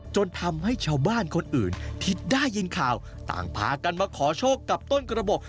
จนทำให้ชาวบ้านคนอื่นที่ได้ยินข่าวต่างพากันมาขอโชคกับต้นกระบบ